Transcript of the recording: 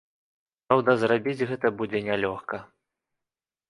Праўда, зрабіць гэта будзе нялёгка.